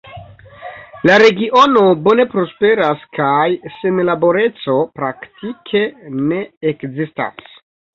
La regiono bone prosperas kaj senlaboreco praktike ne ekzistas.